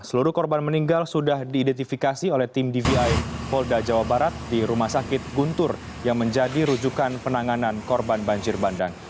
seluruh korban meninggal sudah diidentifikasi oleh tim dvi polda jawa barat di rumah sakit guntur yang menjadi rujukan penanganan korban banjir bandang